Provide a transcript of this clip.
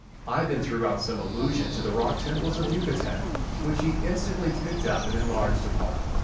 I then threw out some allusion to the rock temples of Yucatan, which he instantly picked up and enlarged upon.